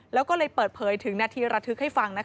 แล้วก็เลยเปิดเผยถึงนาทีระทึกให้ฟัง